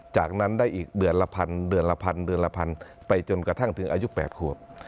จากนั้นได้อีกเดือนละพันไปจนกระทั่งถึงอายุ๘ขวบ